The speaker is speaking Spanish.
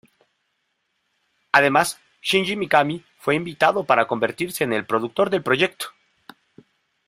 Además Shinji Mikami fue invitado para convertirse en el productor del proyecto.